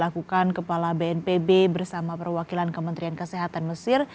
kepala bnpb dan kementerian kesehatan mesir